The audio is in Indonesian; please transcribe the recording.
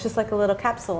itu seperti kapsel